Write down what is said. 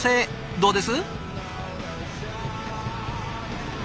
どうです？